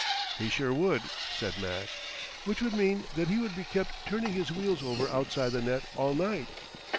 "He sure would," said Mac. "Which would mean that he would be kept turning his wheels over outside the net all night?"